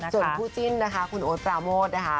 ส่วนผู้จิ้นคุณโอ๊ตราโมส